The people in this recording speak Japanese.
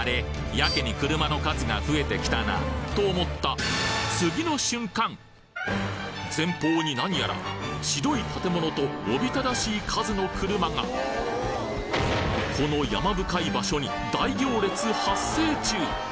やけに車の数が増えてきたな」と思った前方に何やら白い建物とおびただしい数の車がこの山深い場所に大行列発生中！